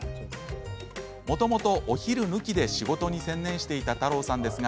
もともとお昼抜きで仕事に専念していた太朗さんですが